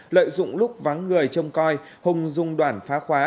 lợi dụng lúc vắng người trong coi hùng dùng đoạn phá khóa